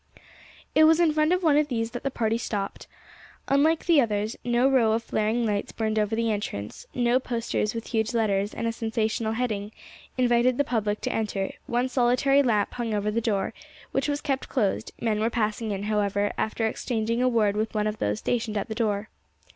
It was in front of one of these that the party stopped. Unlike the others, no row of flaring lights burned over the entrance, no posters with huge letters and sensational headings invited the public to enter; one solitary lamp hung over the door, which was kept closed; men were passing in, however, after exchanging a word with one of those stationed at the door.